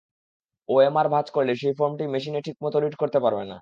OMR ভাঁজ করলে সেই ফরমটি মেশিনে ঠিক মতো রিড করতে পারবে না।